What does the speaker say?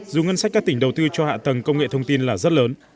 dù ngân sách các tỉnh đầu tư cho hạ tầng công nghệ thông tin là rất lớn